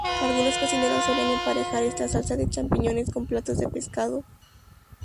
Algunos cocineros suelen emparejar esta salsa de champiñones con platos de pescado.